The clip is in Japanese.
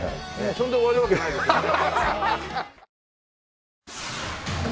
それで終わるわけないですよね？